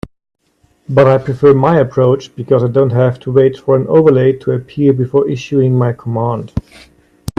But I prefer my approach because I don't have to wait for an overlay to appear before issuing my command.